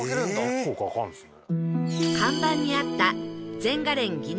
結構かかるんですね。